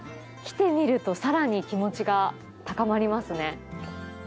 来てみるとさらに気持ちが高まりますね。